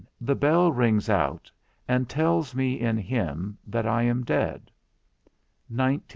The bell rings out, and tells me in him, that I am dead 114 19.